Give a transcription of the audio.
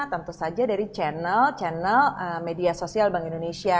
tentu saja dari channel channel media sosial bank indonesia